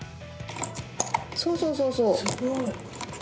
そうそうそうそう。